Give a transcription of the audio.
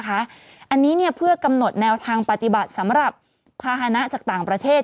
อันนี้เพื่อกำหนดแนวทางปฏิบัติสำหรับภาษณะจากต่างประเทศ